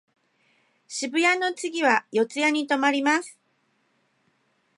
新宿の次は四谷に止まります。